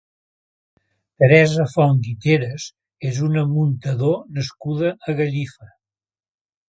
Teresa Font Guiteras és una muntador nascuda a Gallifa.